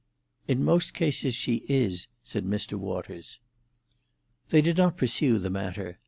"In most cases she is," said Mr. Waters. They did not pursue the matter.